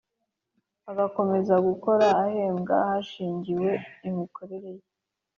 agakomeza gukora ahembwa hashingiwe imikorere ye